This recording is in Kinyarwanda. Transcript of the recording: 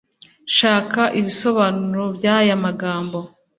shaka ibisobanuro by aya magambo